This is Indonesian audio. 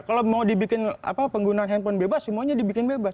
kalau mau dibikin penggunaan handphone bebas semuanya dibikin bebas